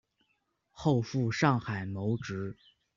后赴上海谋职。